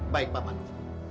baik pak pandu